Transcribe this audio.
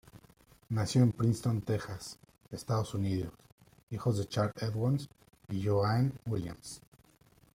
Nació en Princeton, Texas, Estados Unidos, hijo Charles Edward y Jo-Ann Williams.